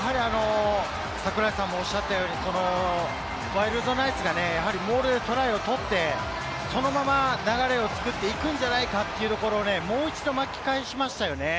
櫻井さんもおっしゃったように、ワイルドナイツがモールでトライを取って、そのまま流れを作っていくんじゃないかというところでもう一度巻き返しましたよね。